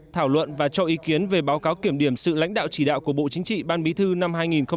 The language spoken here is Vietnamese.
thảo luận và cho ý kiến về báo cáo kiểm điểm sự lãnh đạo chỉ đạo của bộ chính trị ban bí thư năm hai nghìn một mươi chín